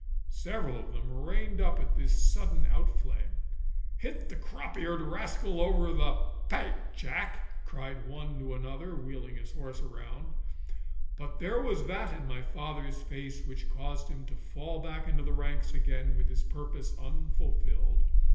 Several of them reined up at this sudden out flame. 'Hit the crop eared rascal over the pate, Jack!' cried one to another, wheeling his horse round; but there was that in my father's face which caused him to fall back into the ranks again with his purpose unfulfilled.